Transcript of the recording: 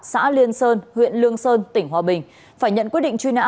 xã liên sơn huyện lương sơn tỉnh hòa bình phải nhận quyết định truy nã